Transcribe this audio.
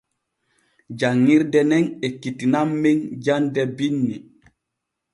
Janŋirde nen ekkitinan men jande binni.